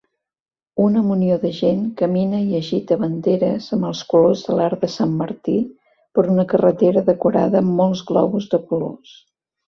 Una munió de gent camina i agita banderes amb els colors de l'arc de Sant Martí per una carretera decorada amb molts globus de colors.